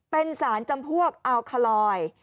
เป็นสารจำพวกอัลคาลอย